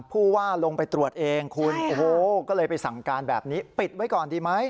ผู้ว่าลงไปตรวจเองคุณโอ้โหก็เลยไปสั่งการแบบนี้ปิดไว้ก่อนดีไหม